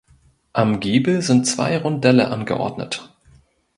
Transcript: Am Giebel sind zwei Rondelle angeordnet.